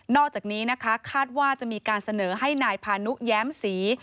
อกจากนี้นะคะคาดว่าจะมีการเสนอให้นายพานุแย้มศรี